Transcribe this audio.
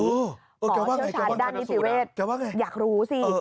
หมอเชื้อชาญด้านอิทธิเวศอยากรู้สิ